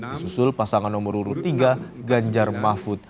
disusul pasangan nomor urut tiga ganjar mahfud